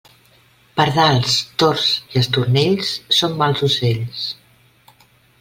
Pardals, tords i estornells són mals ocells.